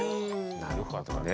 なるほどね。